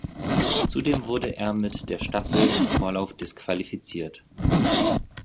Zudem wurde er mit der Staffel im Vorlauf disqualifiziert.